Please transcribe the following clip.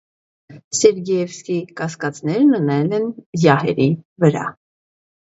Սերգեյվսի կասկածներն ընել են յահերի վրա։